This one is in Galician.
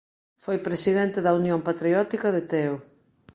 Foi presidente da Unión Patriótica de Teo.